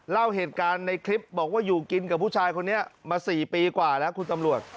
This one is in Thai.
เล่าเหตุการณ์ในคลิปบอกว่าอยู่กินกับผู้ชายคนนี้มา๔ปีกว่าแล้วคุณตำรวจ